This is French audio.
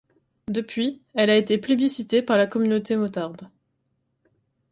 Depuis, elle a été plébiscitée par la communauté motarde.